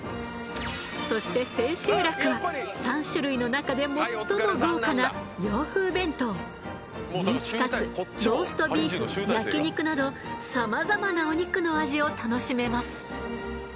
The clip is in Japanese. そして千秋楽は３種類の中で最も豪華なミンチカツローストビーフ焼肉などさまざまなお肉の味を楽しめます。